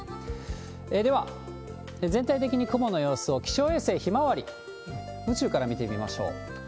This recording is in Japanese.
では、全体的に雲の様子を、気象衛星ひまわり、宇宙から見てみましょう。